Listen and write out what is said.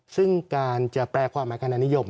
ซึ่งการจะแปลความหมายคณะนิยม